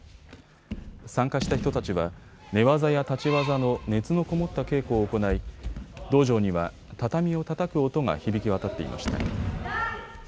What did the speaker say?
参加した人たちは寝技や立ち技の熱のこもった稽古を行い道場には畳をたたく音が響き渡っていました。